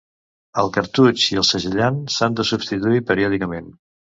El cartutx i el segellant s'han de substituir periòdicament.